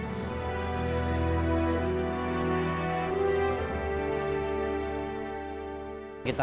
kita bisa melakukan penyelidikan yang lebih cepat